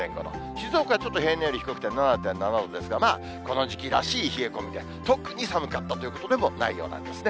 静岡はちょっと平年より低くて７．７度ですが、この時期らしい冷え込みで、特に寒かったということでもないようなんですね。